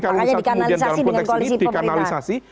kalau misal kemudian dalam konteks ini dikanalisasi